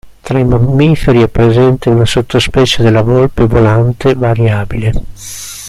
Tra i mammiferi è presente una sottospecie della volpe volante variabile.